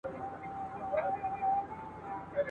د پوهي په واسطه کلیواله ټولنه ډېره انعطاف منونکې کېږي.